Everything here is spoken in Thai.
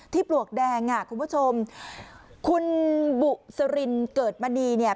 ปลวกแดงอ่ะคุณผู้ชมคุณบุษรินเกิดมณีเนี่ย